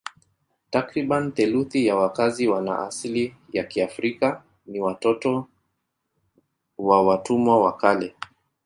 Takriban theluthi ya wakazi wana asili ya Kiafrika ni watoto wa watumwa wa kale.